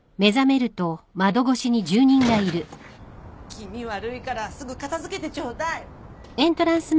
・気味悪いからすぐ片付けてちょうだい。